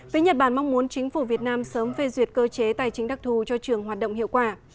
với nhật bản mong muốn chính phủ việt nam sớm phê duyệt cơ chế tài chính đặc thù cho trường hoạt động hiệu quả